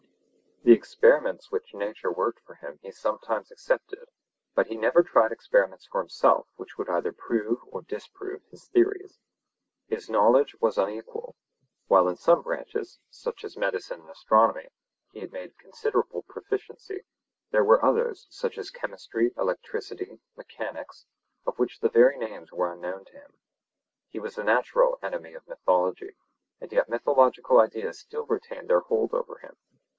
The experiments which nature worked for him he sometimes accepted, but he never tried experiments for himself which would either prove or disprove his theories. His knowledge was unequal; while in some branches, such as medicine and astronomy, he had made considerable proficiency, there were others, such as chemistry, electricity, mechanics, of which the very names were unknown to him. He was the natural enemy of mythology, and yet mythological ideas still retained their hold over him.